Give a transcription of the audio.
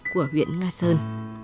của huyện nga sơn